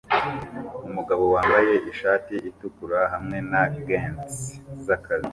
Umugabo wambaye ishati itukura hamwe na gants zakazi